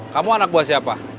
kamu anak buah siapa